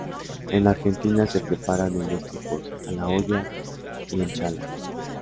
En Argentina se preparan en dos tipos, a la olla y en chala.